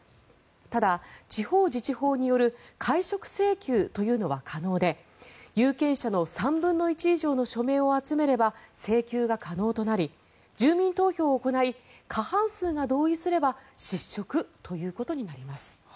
ただ、地方自治法による解職請求というのは可能で有権者の３分の１以上の署名を集めれば請求が可能となり住民投票を行い過半数が同意すれば失職ということになります。